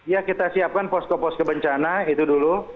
ya kita siapkan posko posko bencana itu dulu